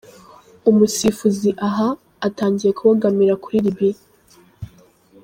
Umusifuzi aha, atangiye kubogamira kuri Libya.